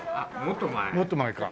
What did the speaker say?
もっと前か。